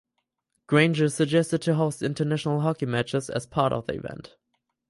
Granger suggested to host international hockey matches as part of the event.